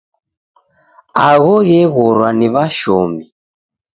Agho gheghorwa ni w'ashomi.